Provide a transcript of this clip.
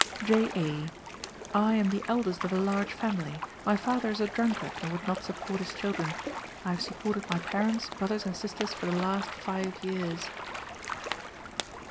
J. A.: "I am the eldest of a large family. My father is a drunkard, and would not support his children. I have supported my parents, brothers, and sisters for the last five years."